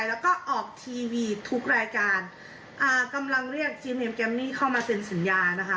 แล้วก็ออกทีวีทุกรายการอ่ากำลังเรียกจีเนียมแกมมี่เข้ามาเซ็นสัญญานะคะ